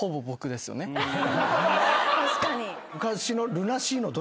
確かに。